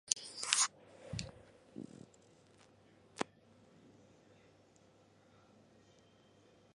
The lectures are often subsequently published in a book version.